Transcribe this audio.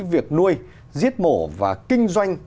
việc nuôi giết mổ và kinh doanh